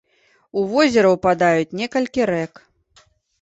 У возера ўпадаюць некалькі рэк.